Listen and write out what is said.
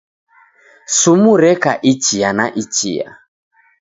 Sumu reka ichia na ichia.